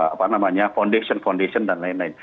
apa namanya foundation condition dan lain lain